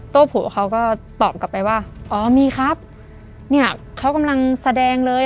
โผเขาก็ตอบกลับไปว่าอ๋อมีครับเนี่ยเขากำลังแสดงเลย